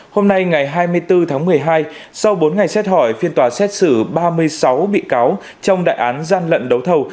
hôm nay ngày hai mươi bốn tháng một mươi hai sau bốn ngày xét hỏi phiên tòa xét xử ba mươi sáu bị cáo trong đại án gian lận đấu thầu